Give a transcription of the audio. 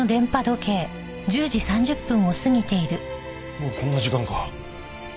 もうこんな時間か。